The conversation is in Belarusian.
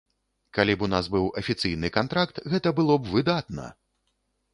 Калі б у нас быў афіцыйны кантракт, гэта было б выдатна!